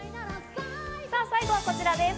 最後はこちらです。